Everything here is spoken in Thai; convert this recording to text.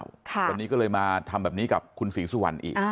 วันนี้ก็เลยมาทำแบบนี้กับคุณศรีสุวรรณอีก